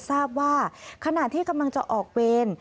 ทราบว่าขณะที่กำลังจะออกเวร